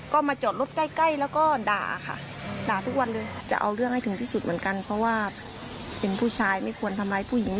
ก็ด่ากันแท้กันทุกวัน